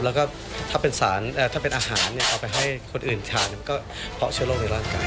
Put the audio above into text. แล้วก็ถ้าเป็นสารถ้าเป็นอาหารเอาไปให้คนอื่นทานก็เพราะเชื้อโรคในร่างกาย